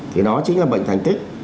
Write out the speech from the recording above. thì đó chính là bệnh thành tích